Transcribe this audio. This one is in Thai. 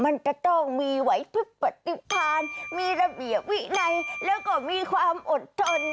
มันจะต้องมีไว้ปฏิพันธ์มีระเบียบวินัยแล้วก็มีความอดทน